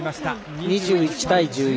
２１対１４。